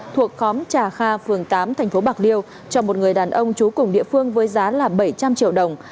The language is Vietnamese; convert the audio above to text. thuộc khóm trà kha phường tám tp bạc liêu cho một người đàn ông trú cùng địa phương với giá là bảy trăm linh triệu đồng